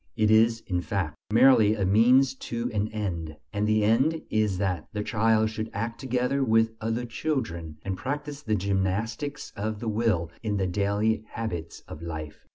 It is, in fact, merely a means to an end: and the end is that the child should act together with other children, and practise the gymnastics of the will in the daily habits of life.